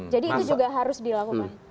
jadi itu juga harus dilakukan